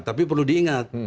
tapi perlu diingat